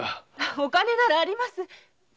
お金ならあります。